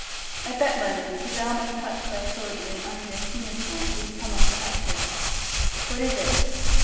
At that moment his arm was touched by a soldier in undress uniform, who had come up the hatchway. "What is it?"